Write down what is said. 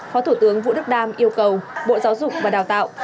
phó thủ tướng vũ đức đam yêu cầu bộ giáo dục và đào tạo